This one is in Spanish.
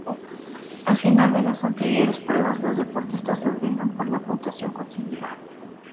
Al final de las anteriores pruebas, los deportistas se ordenaban por la puntuación conseguida.